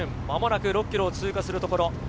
間もなく６ｋｍを通過するところ。